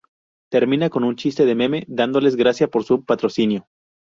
Termina con un chiste de Meme, dándoles gracias por su "patrocinio".